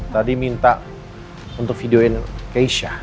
tadi minta untuk videoin keisha